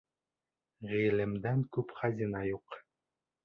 Ғилемдән күп хазина юҡ.